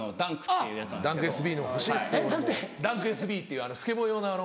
ダンクＳＢっていうスケボー用のあの。